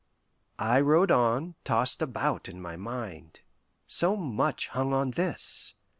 I rode on, tossed about in my mind. So much hung on this.